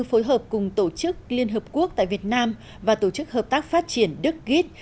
phối hợp cùng tổ chức liên hợp quốc tại việt nam và tổ chức hợp tác phát triển đức git